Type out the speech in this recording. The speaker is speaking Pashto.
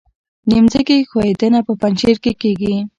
د ځمکې ښویدنه په پنجشیر کې کیږي